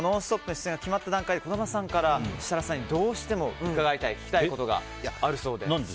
出演が決まった段階で児玉さんから設楽さんにどうしても聞きたいことがあるそうで。